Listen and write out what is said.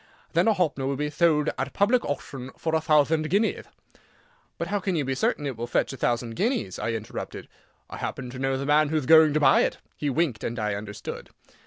Then a Hoppner will be thold at public auchtion for a thouthand guineath." "But how can you be certain it will fetch a thousand guineas?" I interrupted. "I happen to know the man whoth going to buy it." He winked, and I understood.